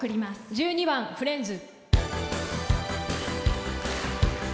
１２番「フレンズ」。